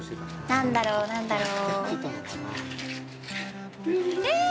何だろう何だろうえーっ！